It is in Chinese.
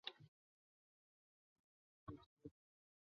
袁彬人。